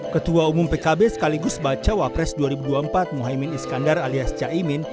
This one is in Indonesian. ketua umum pkb sekaligus bacawa pres dua ribu dua puluh empat muhaymin iskandar alias caimin